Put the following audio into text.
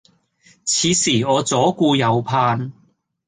此時我左顧右盼